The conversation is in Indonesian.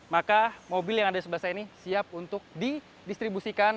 maka mobil yang ada di sebelah saya ini siap untuk didistribusikan